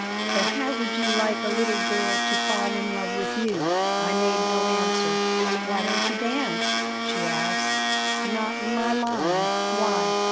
But how would you like a little girl to fall in love with you?" I made no answer "Why don't you dance?" she asked "Not in my line." "Why?"